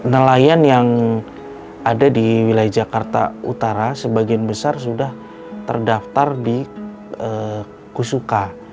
nelayan yang ada di wilayah jakarta utara sebagian besar sudah terdaftar di kusuka